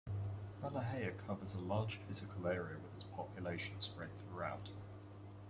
Ballyhea covers a large physical area with its population spread throughout.